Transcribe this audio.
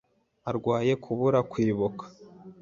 Arwaye kubura kwibuka.